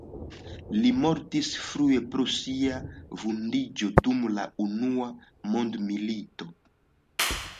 Li mortis frue pro sia vundiĝo dum la unua mondmilito.